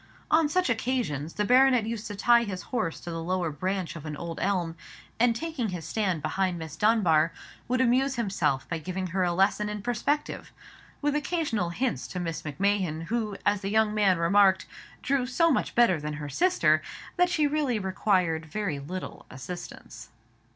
On such occasions the baronet used to tie his horse to the lower branch of an old elm, and taking his stand behind Miss Dunbar, would amuse himself by giving her a lesson in perspective, with occasional hints to Miss Macmahon, who, as the young man remarked, drew so much better than her sister, that she really required very little assistance.